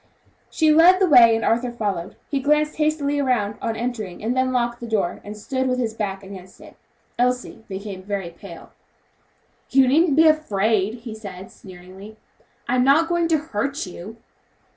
She led the way and Arthur followed. He glanced hastily around on entering and then locked the door and stood with his back against it. Elsie became very pale. "You needn't be afraid" he said, sneeringly, "I'm not going to hurt you!"